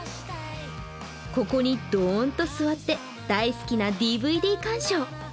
ここにどーんと座って大好きなＤＶＤ鑑賞。